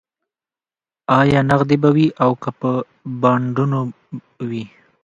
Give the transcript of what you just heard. ایا نغدې به وي او که به بانډونه وي